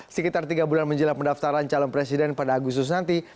sekitar tiga bulan menjelang pendaftaran calon presiden pada agustus nanti